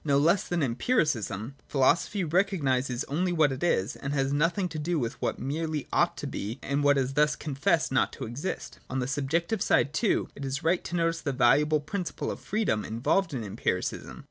No less than Empiricism, philosophy (§ 7) recognises only what is, and has nothing to do with what merely ought to be and wfcat is thus confessed not to exist. On the subjective side, too, it is right to notice the valuable principle of freedom involved in Empiricism.